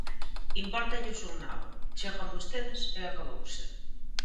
Impórtalles un nabo, chegan vostedes e acabouse.